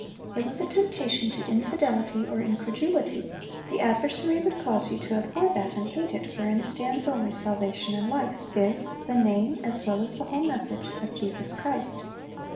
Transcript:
It was a temptation to infidelity or 'incredulity': the adversary 'would cause you abhor that, and hate it, wherein stands only salvation and life,' viz., the name, as well as the whole message, of Jesus Christ.